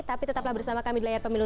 tapi tetaplah bersama kami di layar pemilu